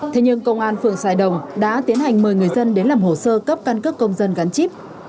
thế nhưng công an phường sài đồng đã tiến hành mời người dân đến làm hồ sơ cấp căn cước công dân gắn chip